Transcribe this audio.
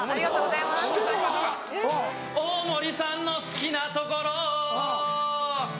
大盛さんの好きなところ